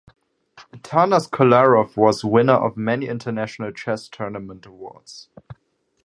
Atanas Kolarov was winner of many international chess tournament awards.